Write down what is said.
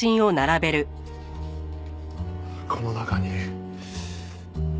この中に。